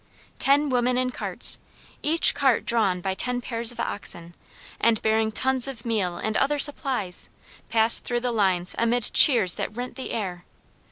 Ten women in carts, each cart drawn by ten pairs of oxen, and bearing tons of meal and other supplies, passed through the lines amid cheers that rent the air.